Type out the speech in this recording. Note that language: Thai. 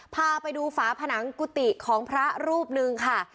พาไปดูฝาผนังกุฏิของพระรูปหนึ่งค่ะ